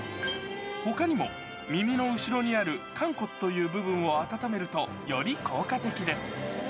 ほかにも、耳の後ろにある完骨という部分を温めると、より効果的です。